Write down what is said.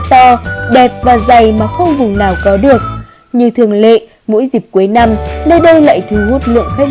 to đẹp và dày mà không vùng nào có được như thường lệ mỗi dịp cuối năm nơi đây lại thu hút lượng khách